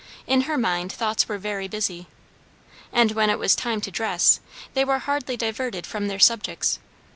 In her mind thoughts were very busy. And when it was time to dress, they were hardly diverted from their subjects.